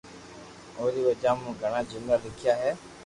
اوري وجہ مون گھڻا جملا ليکيا ھي